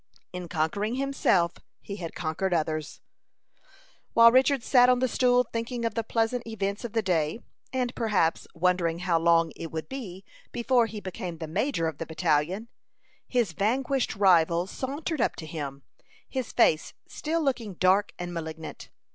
In conquering himself he had conquered others. While Richard sat on the stool thinking of the pleasant events of the day, and perhaps wondering how long it would be before he became the major of the battalion, his vanquished rival sauntered up to him, his face still looking dark and malignant.